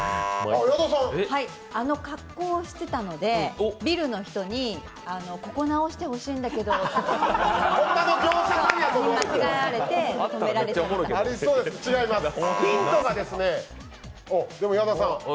あの格好をしていたのでビルの人にここ直してほしいんだけどって間違えられて止められた。